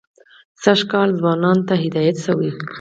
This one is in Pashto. سږ کال ځوانانو ته هدایت شوی.